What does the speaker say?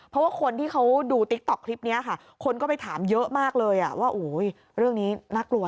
เพราะว่าคนที่เขาดูติ๊กต๊อกคลิปนี้ค่ะคนก็ไปถามเยอะมากเลยว่าเรื่องนี้น่ากลัว